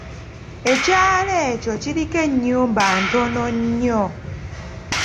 Ekyalo ekyo kiriko ennyumba ntono nnyo.